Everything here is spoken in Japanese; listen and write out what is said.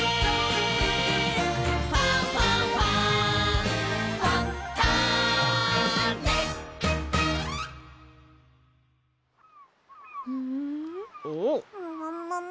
「ファンファンファン」もももも。